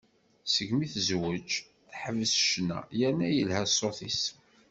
Segmi tezweǧ, teḥbes ccna, yerna yelha ṣṣut-is.